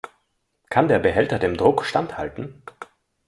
Kann der Behälter dem Druck standhalten?